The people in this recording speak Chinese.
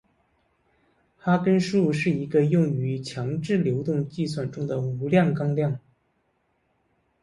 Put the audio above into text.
哈根数是一个用于强制流动计算中的无量纲量。